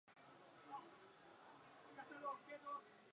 La tala comercial ilegal y la deforestación amenazan la especie.